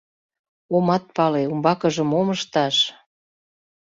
Омат пале, умбакыже мом ышташ!